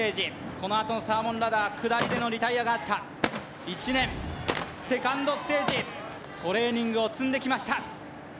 このあとのサーモンラダー下りでのリタイアがあった１年セカンドステージトレーニングを積んできました